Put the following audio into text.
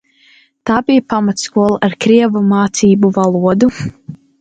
Tā bija pamatskola ar krievu mācību valodu.